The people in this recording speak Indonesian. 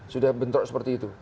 sudah bentrok seperti itu